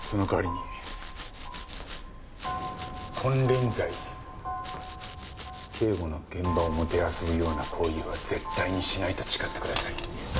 その代わりに金輪際警護の現場を弄ぶような行為は絶対にしないと誓ってください。